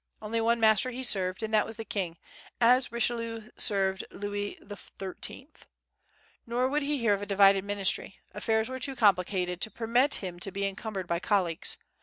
Only one master he served, and that was the king, as Richelieu served Louis XIII. Nor would he hear of a divided ministry; affairs were too complicated to permit him to be encumbered by colleagues.